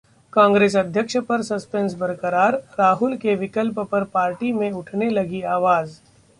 कांग्रेस अध्यक्ष पर सस्पेंस बरकरार, राहुल के विकल्प पर पार्टी में उठने लगी आवाज